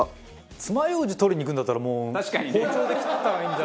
つまようじ取りに行くんだったら包丁で切ったらいいんじゃ。